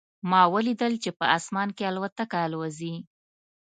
ما ولیدل چې په اسمان کې الوتکه الوزي